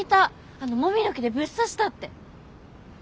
あのもみの木でブッ刺したって。